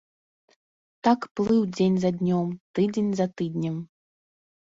Так плыў дзень за днём, тыдзень за тыднем.